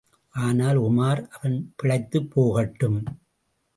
ஆனால், உமார், அவன் பிழைத்துப் போகட்டும்.